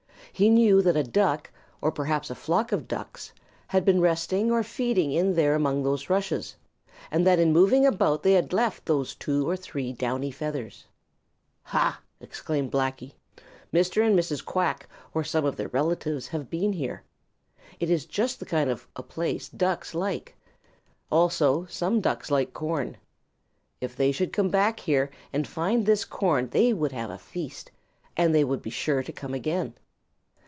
He knew that a Duck, or perhaps a flock of Ducks, had been resting or feeding in there among those rushes, and that in moving about they had left those two or three downy feathers. "Ha!" exclaimed Blacky. "Mr. and Mrs. Quack or some of their relatives have been here. It is just the kind of a place Ducks like. Also some Ducks like corn. If they should come back here and find this corn, they would have a feast, and they would be sure to come again.